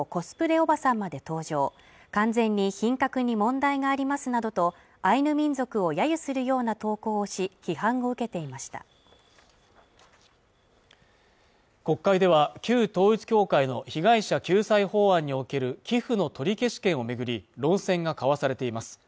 おばさんまで登場完全に品格に問題がありますなどとアイヌ民族を揶揄するような投稿し批判を受けていました国会では旧統一教会の被害者救済法案における寄付の取消権を巡り論戦が交わされています